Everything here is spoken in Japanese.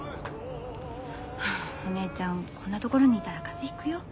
お姉ちゃんこんなところにいたら風邪ひくよ。